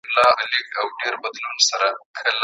د ټولني رواني حالت وڅېړه.